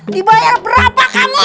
dibayar berapa kamu